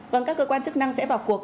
vâng các cơ quan chức năng sẽ vào cuộc